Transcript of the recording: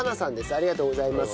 ありがとうございます。